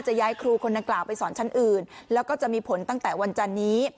ย้ายครูคนดังกล่าวไปสอนชั้นอื่นแล้วก็จะมีผลตั้งแต่วันจันนี้